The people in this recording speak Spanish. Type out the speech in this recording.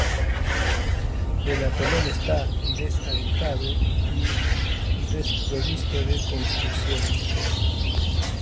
El atolón está deshabitado y desprovisto de construcciones.